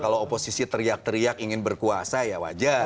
kalau oposisi teriak teriak ingin berkuasa ya wajar